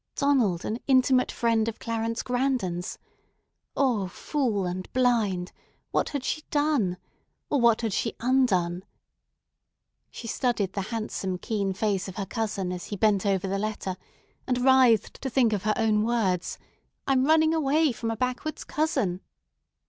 Donald an intimate friend of Clarence Grandon's! O, fool and blind! What had she done! Or what had she undone? She studied the handsome, keen face of her cousin as he bent over the letter, and writhed to think of her own words, "I'm running away from a backwoods cousin"!